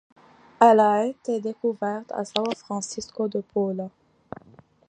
Elle a été découverte à São Francisco de Paula.